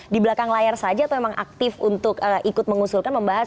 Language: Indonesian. di belakang layar saja atau memang aktif untuk ikut mengusulkan membahas